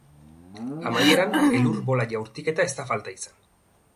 Amaieran, elur-bola jaurtiketa ez da falta izan.